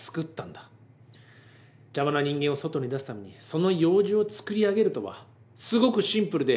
邪魔な人間を外に出すためにその用事をつくり上げるとはすごくシンプルで。